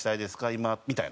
今」みたいな。